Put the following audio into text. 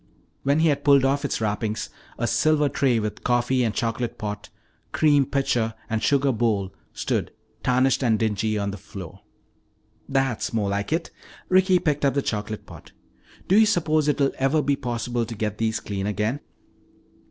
When he had pulled off its wrappings, a silver tray with coffee and chocolate pot, cream pitcher and sugar bowl stood, tarnished and dingy, on the floor. "That's more like it." Ricky picked up the chocolate pot. "Do you suppose it will ever be possible to get these clean again?"